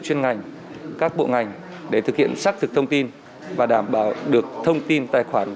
chuyên ngành các bộ ngành để thực hiện xác thực thông tin và đảm bảo được thông tin tài khoản